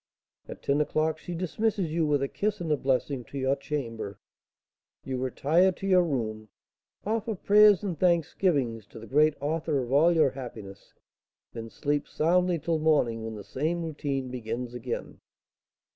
At ten o'clock she dismisses you, with a kiss and a blessing, to your chamber; you retire to your room, offer prayers and thanksgivings to the Great Author of all your happiness, then sleep soundly till morning, when the same routine begins again."